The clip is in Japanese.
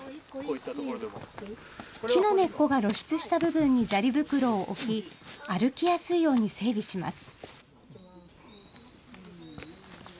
木の根っこが露出した部分に砂利袋を置き歩きやすいように整備します。